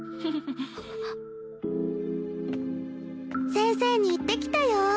先生に言ってきたよ。